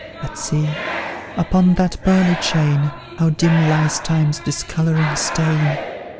But see upon that pearly chain How dim lies Time's discolouring stain!